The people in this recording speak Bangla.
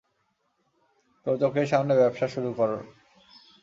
তোর চোখের সামনে ব্যবসা শুরু করর।